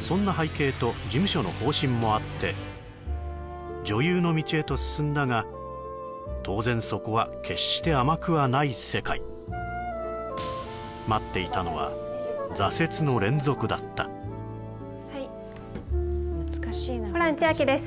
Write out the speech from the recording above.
そんな背景と事務所の方針もあって女優の道へと進んだが当然そこは決して甘くはない世界待っていたのは挫折の連続だったはいホラン千秋です